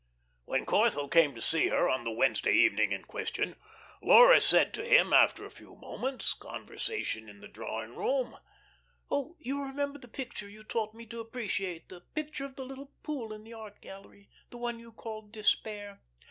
When Corthell came to see her on the Wednesday evening in question, Laura said to him, after a few moments, conversation in the drawing room: "Oh, you remember the picture you taught me to appreciate the picture of the little pool in the art gallery, the one you called 'Despair'?